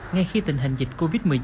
ngay khi tình hình dịch covid một mươi chín